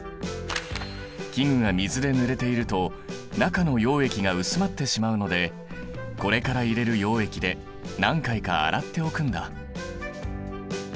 器具が水でぬれていると中の溶液が薄まってしまうのでこれから入れる溶液で何回か洗っておくんだ。